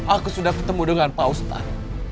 aku sudah ketemu dengan paustan